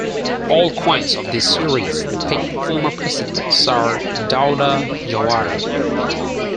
All coins of this series depict former president, Sir Dawda Jawara.